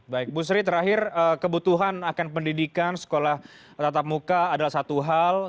baik bu sri terakhir kebutuhan akan pendidikan sekolah tatap muka adalah satu hal